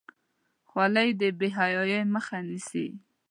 خولۍ د بې حیايۍ مخه نیسي.